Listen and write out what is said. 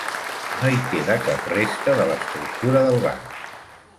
No hi queda cap resta de l'estructura del banc.